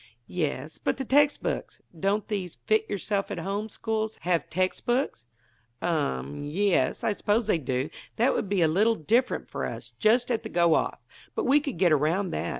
"Yes; but the text books. Don't these 'Fit yourself at Home' schools have text books?" "Um, y yes; I suppose they do. That would be a little difficult for us just at the go off. But we could get around that.